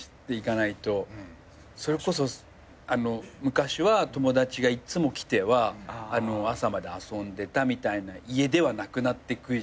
それこそ昔は友達がいつも来ては朝まで遊んでたみたいな家ではなくなってくじゃん。